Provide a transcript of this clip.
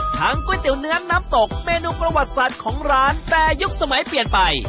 ก๋วยเตี๋ยวเนื้อน้ำตกเมนูประวัติศาสตร์ของร้านแต่ยุคสมัยเปลี่ยนไป